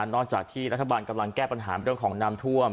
จากที่รัฐบาลกำลังแก้ปัญหาเรื่องของน้ำท่วม